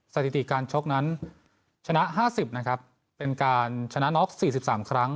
สถิติการชกนั้นชนะ๕๐นะครับเป็นการชนะน็อก๔๓ครั้ง